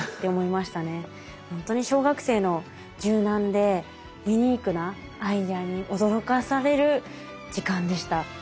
本当に小学生の柔軟でユニークなアイデアに驚かされる時間でした。